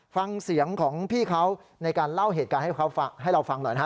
ฟังเสียงของพี่เขาในการเล่าเหตุการณ์ให้เราฟังหน่อยนะฮะ